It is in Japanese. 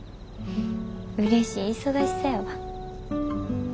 うれしい忙しさやわ。